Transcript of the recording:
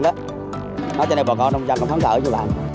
cho nên bọn con không chăng có khám sở gì